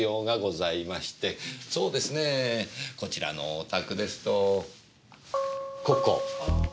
そうですねえ。こちらのお宅ですとここ。